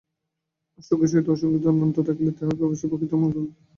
সুখের সহিত অসংযুক্ত অনন্ত দুঃখ থাকিলে তাহাকে অবশ্য প্রকৃত অমঙ্গল বলিতে পারা যায়।